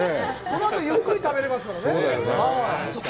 このあと、ゆっくり食べれますからね。